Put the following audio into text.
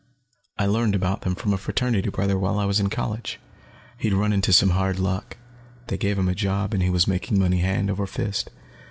I learned about them from a fraternity brother while I was in college. He'd run into some hard luck, they gave him a job, and he was making money hand over fist.